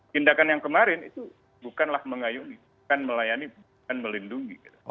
tindakan yang kemarin itu bukanlah mengayuni bukan melayani bukan melindungi